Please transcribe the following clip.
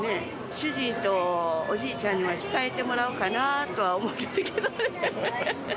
主人とおじいちゃんには控えてもらおうかなとは思ってんねんけど。